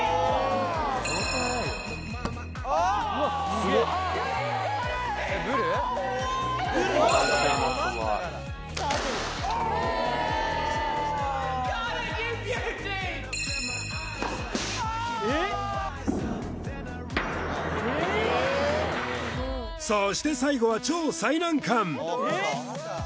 続いてはそして最後は超最難関！